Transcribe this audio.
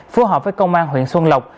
phù hợp với công an huyện xuân lộc